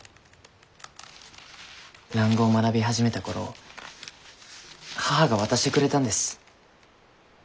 蘭語を学び始めた頃母が渡してくれたんです。